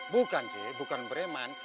bukan sih bukan preman